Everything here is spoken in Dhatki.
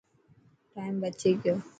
ٽائم بچي گيو.